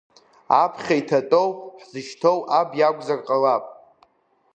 Аԥхьа иҭатәоу ҳзышьҭоу аб иакәзар ҟалап.